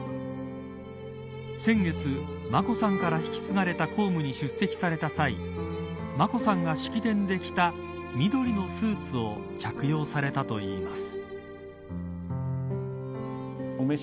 先月、眞子さんから引き継がれた公務に出席された際眞子さんが式典で着た緑のスーツを着用されたといいます。